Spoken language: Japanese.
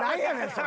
それ。